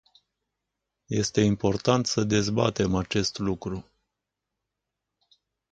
Este important să dezbatem acest lucru.